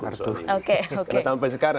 karena sampai sekarang